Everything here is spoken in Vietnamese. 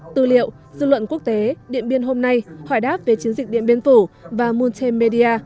tư liệu dư luận quốc tế điện biên hôm nay hỏi đáp về chiến dịch điện biên phủ và muntem media